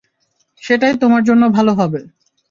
সেটাই তোমার জন্য ভালো হবে।